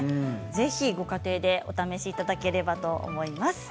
ぜひご家庭でお試しいただければと思います。